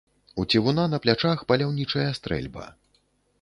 У цівуна на плячах паляўнічая стрэльба.